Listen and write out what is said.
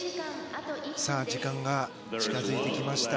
時間が近づいてきました。